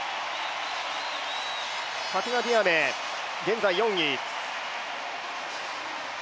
ファティマ・ディアメ、現在４位。